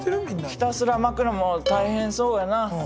ひたすらまくのも大変そうやな。